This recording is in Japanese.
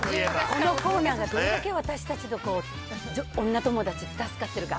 このコーナーがどれだけ私たちの女友達で、助かってるか。